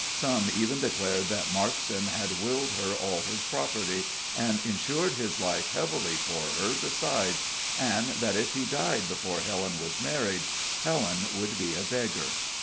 Some even declared that Markson had willed her all his property, and insured his life heavily for her besides, and that if he died before Helen was married, Helen would be a beggar.